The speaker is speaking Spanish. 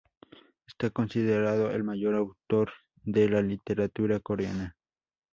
Está considerado el mayor autor de la literatura coreana.